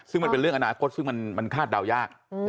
ซึ่งมันเป็นเรื่องอนาคตซึ่งมันคาดเดายาก